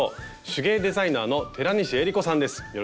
手芸デザイナーの寺西恵里子さんです！